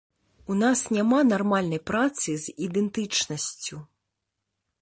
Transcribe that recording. У нас няма нармальнай працы з ідэнтычнасцю.